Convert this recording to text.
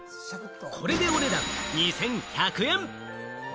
これでお値段２１００円！